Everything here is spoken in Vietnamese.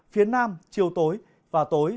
phía nam chiều tối và tối